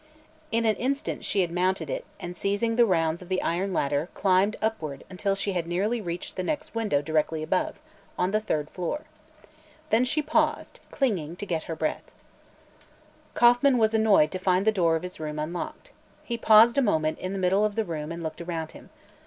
In an instant she had mounted it and seizing the rounds of the iron ladder climbed upward until she had nearly reached the next window directly above, on the third floor. Then she paused, clinging, to get her breath. Kauffman was annoyed to find the door of his room unlocked. He paused a moment in the middle of the room and looked around him.